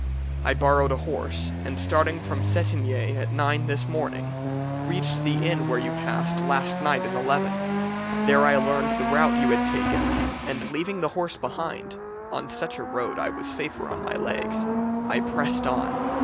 I borrowed a horse, and, starting from Cetinge at nine this morning, reached the inn where you passed last night at eleven. There I learned the route you had taken, and leaving the horse behind on such a road I was safer on my legs I pressed on.